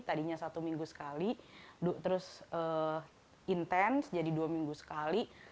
tadinya satu minggu sekali terus intens jadi dua minggu sekali